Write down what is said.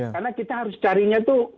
karena kita harus carinya itu